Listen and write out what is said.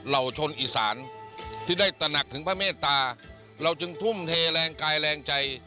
ชนอีสานที่ได้ตระหนักถึงพระเมตตาเราจึงทุ่มเทแรงกายแรงใจ